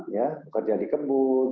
ya kerja di kebut